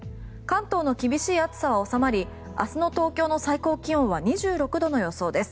関東の厳しい暑さは収まり明日の東京の最高気温は２６度の予想です。